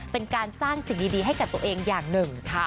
เป็นการสร้างสิ่งดีให้กับตัวเองอย่างหนึ่งค่ะ